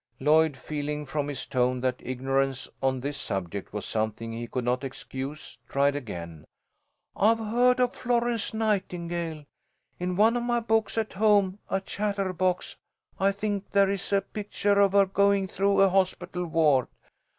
Lloyd, feeling from his tone that ignorance on this subject was something he could not excuse, tried again. "I've heard of Florence Nightingale. In one of my books at home, a Chatterbox, I think, there is a picture of her going through a hospital ward.